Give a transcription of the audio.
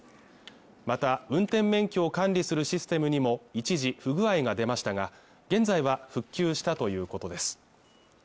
また運転免許を管理するシステムにも一時不具合が出ましたが現在は復旧したということです